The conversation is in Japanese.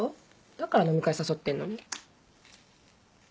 だから飲み会誘ってんのに。